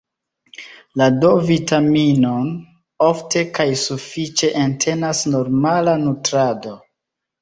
La D-vitaminon ofte kaj sufiĉe entenas normala nutrado.